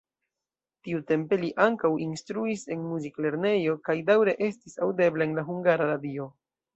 Tiutempe li ankaŭ instruis en muziklernejo kaj daŭre estis aŭdebla en la Hungara Radio.